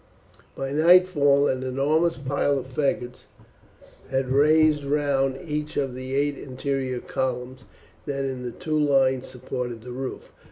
By nightfall an enormous pile of faggots was raised round each of the eight interior columns that in two lines supported the roof.